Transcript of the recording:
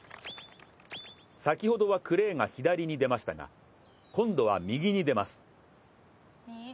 先ほどはクレーが左に出ましたが今度は右に出ます。